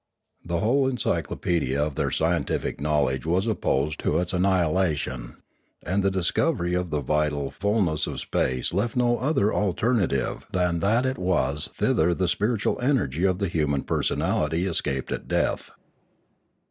The whole encyclopaedia of their scientific knowledge was opposed to its annihilation, and the discovery of the vital ful ness of space left no other alternative than that it was thither the spiritual energy of the human personality escaped at death.